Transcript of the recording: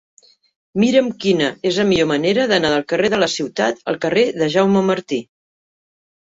Mira'm quina és la millor manera d'anar del carrer de la Ciutat al carrer de Jaume Martí.